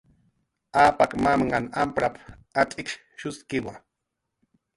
"Apak mamnhan amparp"" atz'ikshuskiwa"